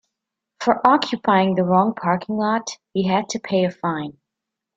For occupying the wrong parking lot he had to pay a fine.